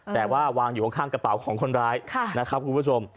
แต่ว่าวางอยู่ข้างกระเป๋าของคนร้ายนะครับคุณผู้ชม